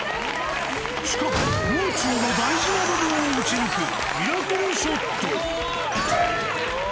しかももう中の大事な部分を撃ち抜くミラクルショット。